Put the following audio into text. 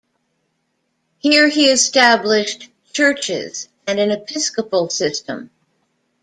Here he established churches and an episcopal system.